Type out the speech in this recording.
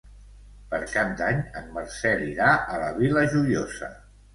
Per Cap d'Any en Marcel irà a la Vila Joiosa.